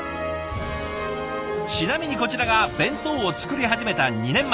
ちなみにこちらが弁当を作り始めた２年前。